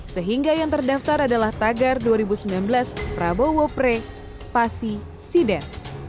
sehingga yang terdaftar adalah tagar dua ribu sembilan belas prabowo pre spasi siden